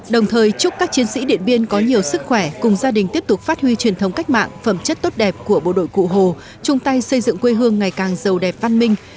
đồng thời chúc các chiến sĩ điện biên có nhiều sức khỏe cùng gia đình tiếp tục phát huy truyền thống cách mạng phẩm chất tốt đẹp của bộ đội cụ hồ chung tay xây dựng quê hương ngày càng giàu đẹp văn minh